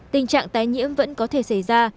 tình trạng tái nhiễm vẫn có thể xảy ra